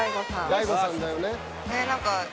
大悟さんだよね。